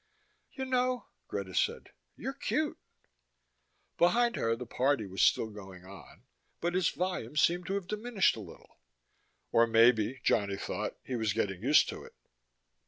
"You know," Greta said, "you're cute." Behind her the party was still going on, but its volume seemed to have diminished a little. Or maybe, Johnny thought, he was getting used to it.